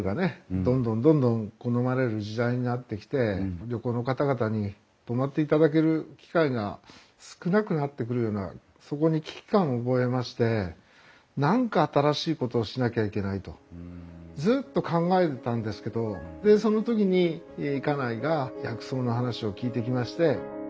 どんどんどんどん好まれる時代になってきて旅行の方々に泊まっていただける機会が少なくなってくるようなそこに危機感を覚えまして何か新しいことをしなきゃいけないとずっと考えてたんですけどその時に家内が薬草の話を聞いてきまして。